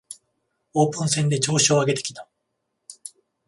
オープン戦で調子を上げてきた